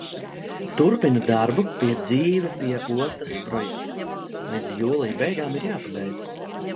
Turpinu darbu pie "Dzīve pie ostas" projekta, līdz jūlija beigām ir jāpabeidz.